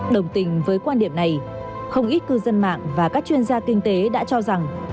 đồng tình với quan điểm này không ít cư dân mạng và các chuyên gia kinh tế đã cho rằng